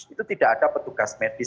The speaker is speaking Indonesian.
itu tidak ada petugas medis